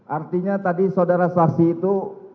artinya tadi saudara saksi itu